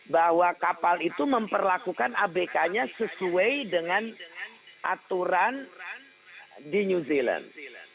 bahwa kapal itu memperlakukan abk nya sesuai dengan aturan di new zealand